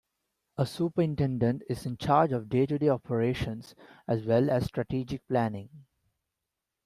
A superintendent is in charge of day-to-day operations as well as strategic planning.